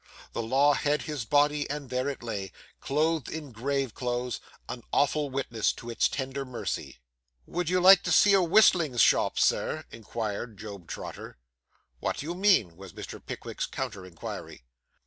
The law had his body; and there it lay, clothed in grave clothes, an awful witness to its tender mercy. 'Would you like to see a whistling shop, Sir?' inquired Job Trotter. 'What do you mean?' was Mr. Pickwick's counter inquiry.